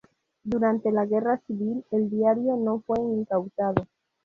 Durante la Guerra civil el diario no fue incautado.